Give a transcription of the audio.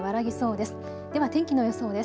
では天気の予想です。